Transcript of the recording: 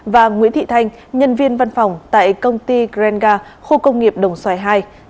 và nguyễn thị thành nhân viên văn phòng tại công ty grenga khu công nghiệp đồng xoài hai